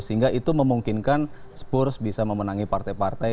sehingga itu memungkinkan spurs bisa memenangi partai partai